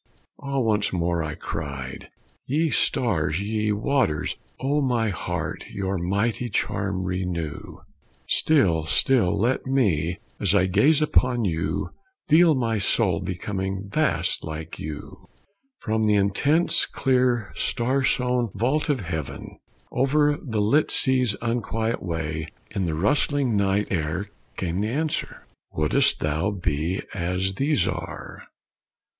"Ah, once more," I cried, "ye stars, ye waters, On my heart your mighty charm renew; Still, still let me, as I gaze upon you, Feel my soul becoming vast like you!" From the intense, clear, star sown vault of heaven, Over the lit sea's unquiet way, In the rustling night air came the answer: "Wouldst thou BE as these are?